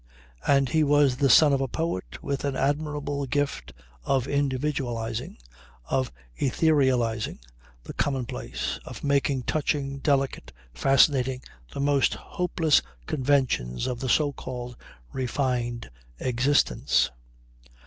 And he was the son of a poet with an admirable gift of individualising, of etherealizing the common place; of making touching, delicate, fascinating the most hopeless conventions of the, so called, refined existence.